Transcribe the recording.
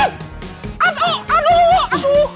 nginjak batu tanya mak